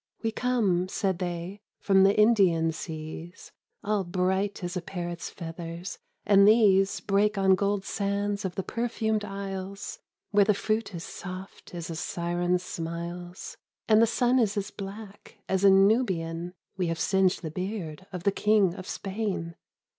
" We come," said they, " from the Indian seas. All bright as a parrot's feathers, and these Break on gold sands of the perfumed isles, Where the fruit is soft as a siren's smiles, And the sun is as black as a Nubian. We have singed the beard of the King of Spain.